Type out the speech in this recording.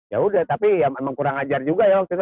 ya udah tapi ya memang kurang ajar juga ya waktu itu